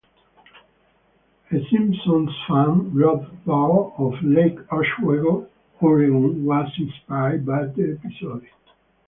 A "Simpsons" fan, Rob Baur of Lake Oswego, Oregon, was inspired by the episode.